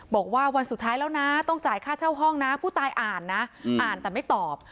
บอกว่าวันสุดท้ายแล้วนะต้องจ่ายค่าเช่าห้องนะผู้ตายอ่านนะอ่านแต่ไม่ตอบ